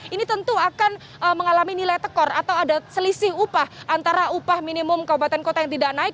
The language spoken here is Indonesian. ini tentu akan mengalami nilai tekor atau ada selisih upah antara upah minimum kabupaten kota yang tidak naik